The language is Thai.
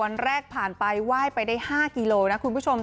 วันแรกผ่านไปไหว้ไปได้๕กิโลนะคุณผู้ชม